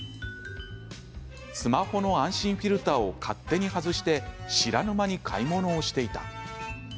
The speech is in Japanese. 「スマホの安心フィルターを勝手に外して知らぬ間に買い物をしていた。」